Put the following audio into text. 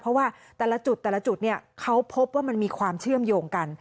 เพราะว่าแต่ละจุดเขาพบว่ามันมีความเชื่อมโยงกัน